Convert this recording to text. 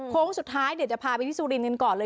โค้งสุดท้ายเดี๋ยวจะพาไปที่สุรินท์กันก่อนเลย